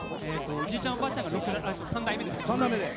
おじいちゃん、おばあちゃんが３代目です。